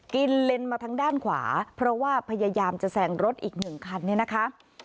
เลนมาทางด้านขวาเพราะว่าพยายามจะแซงรถอีกหนึ่งคันเนี่ยนะคะ